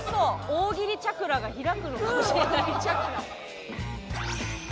大喜利チャクラが開くのかもしれない。